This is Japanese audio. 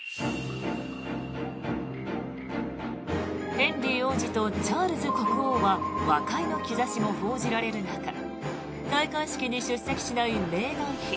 ヘンリー王子とチャールズ国王は和解の兆しも報じられる中戴冠式に出席しないメーガン妃。